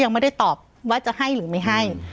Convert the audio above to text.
ยังไม่ได้ตอบว่าจะให้หรือไม่ให้